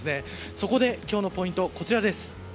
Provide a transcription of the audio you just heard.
そこで、今日のポイントはこちら。